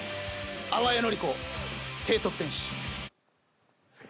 淡谷のり子低得点史。